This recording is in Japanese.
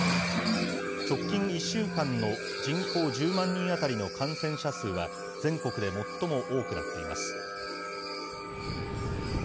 直近１週間の人口１０万人当たりの感染者数は、全国で最も多くなっています。